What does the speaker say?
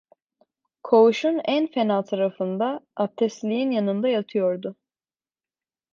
Koğuşun en fena tarafında, aptesliğin yanında yatıyordu.